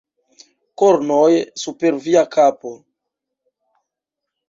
Kornoj super via kapo!